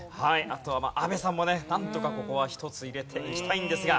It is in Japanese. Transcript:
あとは阿部さんもねなんとかここは一つ入れていきたいんですが。